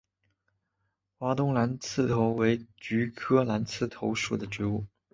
华东蓝刺头为菊科蓝刺头属的植物。